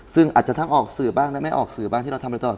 ซึ่งอาจจะทั้งออกสื่อบ้างและไม่ออกสื่อบ้างที่เราทำอะไรตลอด